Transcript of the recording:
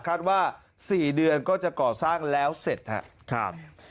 ว่า๔เดือนก็จะก่อสร้างแล้วเสร็จครับ